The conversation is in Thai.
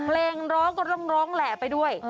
แรงร้องก็ลงแหละไปด้วย